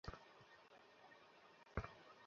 এই মেয়ে আমাদের মৃত্যুর কারণ হবে।